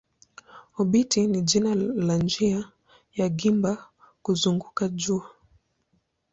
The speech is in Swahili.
Obiti ni jina la njia ya gimba kuzunguka jua.